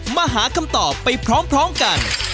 มาหาคำตอบไปพร้อมกัน